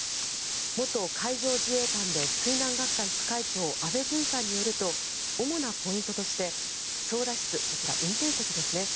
元海上自衛官で水難学会副会長安倍淳さんによると主なポイントとして操舵室、運転席ですね